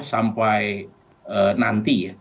sampai nanti ya